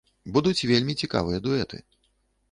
Будуць вельмі цікавыя дуэты.